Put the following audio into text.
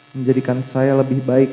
menjadikan saya lebih baik